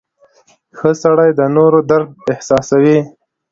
• ښه سړی د نورو درد احساسوي.